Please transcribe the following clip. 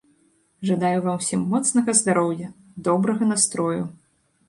Жадаю вам усім моцнага здароўя, добрага настрою.